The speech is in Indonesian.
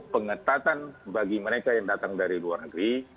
pengetatan bagi mereka yang datang dari luar negeri